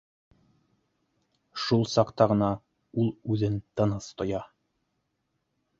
Шул саҡта ғына ул үҙен тыныс тоя